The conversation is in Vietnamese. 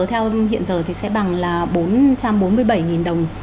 thì sẽ bằng là bốn trăm bốn mươi bảy đồng